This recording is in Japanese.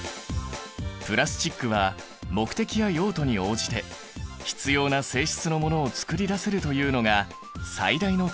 プラスチックは目的や用途に応じて必要な性質なものをつくり出せるというのが最大の特徴だ。